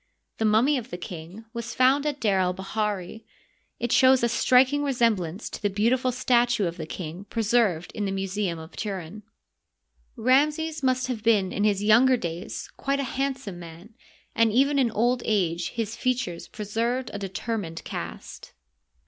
The mummy of the king was found at D6r el bahiri. It shows a striking resemblance to the beautiful statue of the king preserved in the Museum of Turin. Ramses must have been in his Digitized byCjOOQlC THE NINETEENTH DYNASTY. 95 younger days quite a handsome man, and even in old age his features preserved a determined cast.